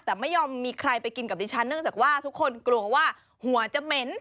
แต่ไม่ยอมมีใครไปกินกับดิฉันเนื่องจากว่าทุกคนกลัวว่าหัวจะเหม็น